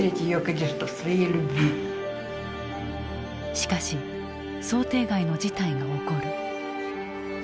しかし想定外の事態が起こる。